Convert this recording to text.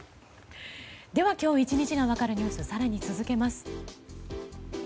では今日１日が分かるニュース更に続けます。